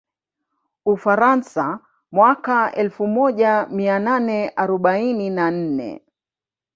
Ufaransa mwaka elfu moja mia nane arobaini na nne